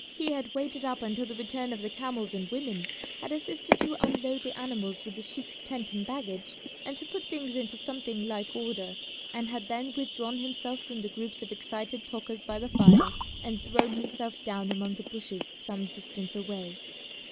He had waited up until the return of the camels and women, had assisted to unload the animals with the sheik's tent and baggage, and to put things into something like order, and had then withdrawn himself from the groups of excited talkers by the fire, and thrown himself down among the bushes some distance away.